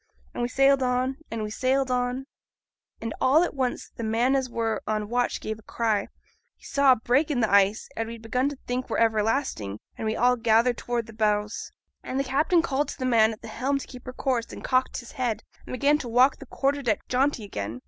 And we sailed on, and we sailed on. All at once, th' man as were on watch gave a cry: he saw a break in the ice, as we'd begun to think were everlasting; and we all gathered towards the bows, and the captain called to th' man at the helm to keep her course, and cocked his head, and began to walk the quarter deck jaunty again.